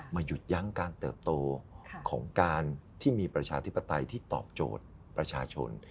หยุดยั้งการเติบโตของการที่มีประชาธิปไตยที่ตอบโจทย์ประชาชน